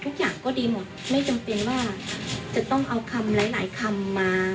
ทุกอย่างก็ดีหมดไม่จำเป็นว่าจะต้องเอาคำหลายหลายคำมา